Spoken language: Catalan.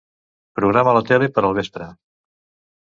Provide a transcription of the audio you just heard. Programa la tele per al vespre.